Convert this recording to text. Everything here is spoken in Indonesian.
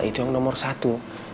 itu yang nomor satu